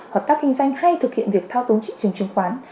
hợp tác kinh doanh hay thực hiện việc thao túng thị trường chứng khoán